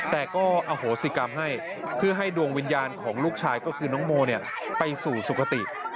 แต่ก็อโหสิกรรมให้เพื่อให้ดวงวิญญาณของลูกชายก็คือน้องโมไปสู่สุขติ